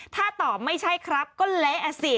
ถ้าตอบไม่ใช่ครับก็เละอ่ะสิ